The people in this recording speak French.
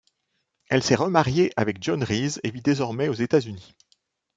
Elle s'est remariée avec John Reese et vit désormais aux États-Unis.